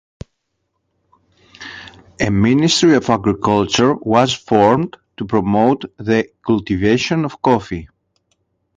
A Ministry of Agriculture was formed to promote the cultivation of coffee.